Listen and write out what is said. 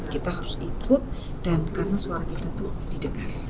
kita harus ikut dan karena suara kita itu didengar